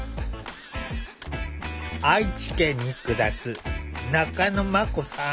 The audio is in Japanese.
愛知県に暮らす中野まこさん。